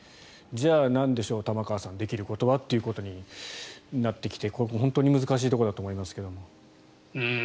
じゃあ、なんでしょう玉川さんできることはとなってきて本当に難しいところだと思いますけれど。